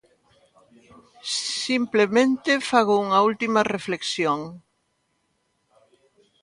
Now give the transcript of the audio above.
Simplemente fago unha última reflexión.